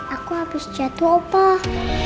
aku habis jatuh opah